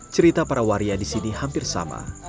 cerita para waria di sini hampir sama